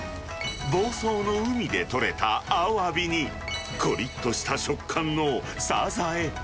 房総の海で取れたアワビに、コリっとした食感のサザエ。